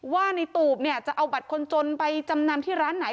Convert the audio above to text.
ว่าในตูบเนี่ยจะเอาบัตรคนจนไปจำนำที่ร้านไหน